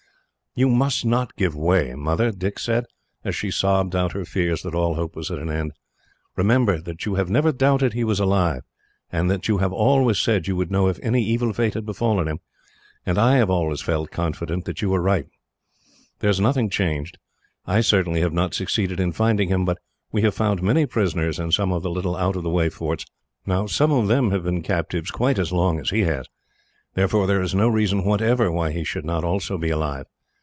"You must not give way, Mother," Dick said, as she sobbed out her fears that all hope was at an end. "Remember that you have never doubted he was alive, and that you have always said you would know if any evil fate had befallen him; and I have always felt confident that you were right. There is nothing changed. I certainly have not succeeded in finding him, but we have found many prisoners in some of the little out of the way forts. Now, some of them have been captives quite as long as he has; therefore there is no reason, whatever, why he should not also be alive.